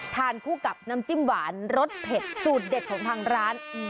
ทานคู่กับน้ำจิ้มหวานรสเผ็ดสูตรเด็ดของทางร้าน